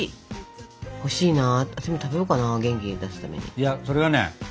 いやそれはね